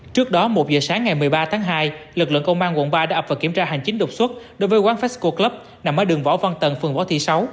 trước đó một giờ sáng ngày một mươi ba tháng hai lực lượng công an quận ba đã ập vào kiểm tra hành chính đột xuất đối với quán fesco club nằm ở đường võ văn tần phường võ thị sáu